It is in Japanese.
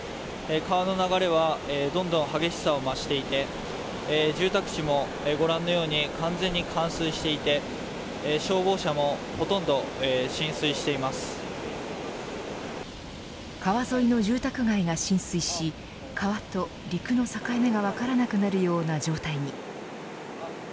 川の流れはどんどん激しさを増していて住宅地もご覧のように完全に冠水していて消防車も川沿いの住宅街が浸水し川と陸の境目が分からなくなるような状態に。